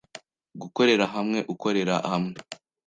Gukorera hamwe ukorera hamwe